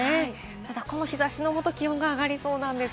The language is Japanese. ただこの日差しの下、気温が上がりそうです。